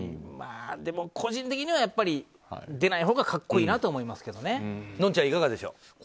まあでも、個人的にはやっぱり出ないほうが格好いいなとはのんちゃん、いかがでしょう？